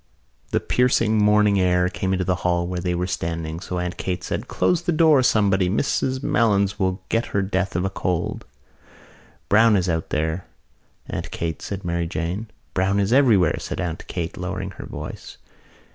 The piercing morning air came into the hall where they were standing so that Aunt Kate said: "Close the door, somebody. Mrs Malins will get her death of cold." "Browne is out there, Aunt Kate," said Mary Jane. "Browne is everywhere," said Aunt Kate, lowering her voice.